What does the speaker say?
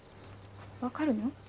分かるの？